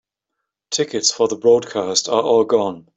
Tickets for the broadcast are all gone.